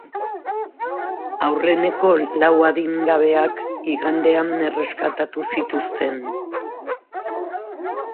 Aurreneko lau adingabeak igandean erreskatatu zituzten.